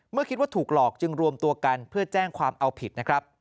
คิดว่าถูกหลอกจึงรวมตัวกันเพื่อแจ้งความเอาผิดนะครับ